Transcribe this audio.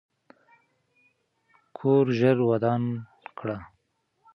کور ژر ودان کړه.